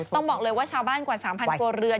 ต้องบอกเลยว่าชาวบ้านกว่า๓๐๐ครัวเรือน